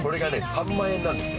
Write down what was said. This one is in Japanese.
３万円なんですよ